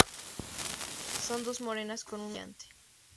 Son dos morenas con un ojo brillante.